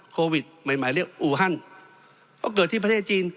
โควิดใหม่หมายเรียกอูฮันเพราะเกิดที่ประเทศจีน